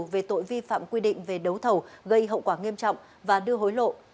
về tội vi phạm quy định về đấu thầu gây hậu quả nghiêm trọng và đưa hối lộ